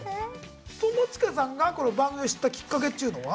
友近さんがこの番組を知ったきっかけっちゅうのは？